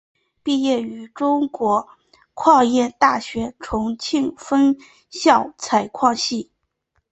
毕业于中国矿业大学重庆分校采矿系。